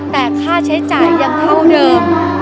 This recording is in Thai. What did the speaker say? แต่ค่าใช้จ่ายยังเท่าเดิม